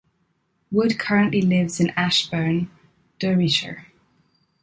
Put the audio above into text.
Wood currently lives in Ashbourne, Derbyshire.